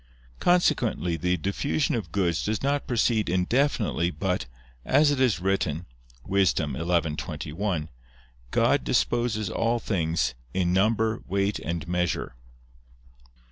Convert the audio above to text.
Consequently the diffusion of goods does not proceed indefinitely but, as it is written (Wis. 11:21), God disposes all things "in number, weight and measure."